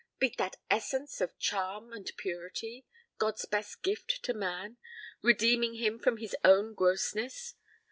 Beat that essence of charm and purity, God's best gift to man, redeeming him from his own grossness!